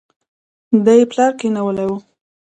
دا يې پلار کېنولې وه.